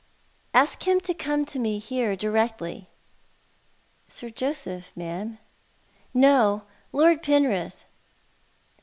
" Ask him to come to me— here— directly." " Sir Joseph, ma'am ?" "No, Lord Penrith."